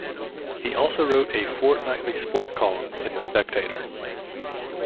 He also wrote a fortnightly sport column in the "Spectator".